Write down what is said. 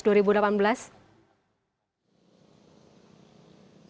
selamat siang fani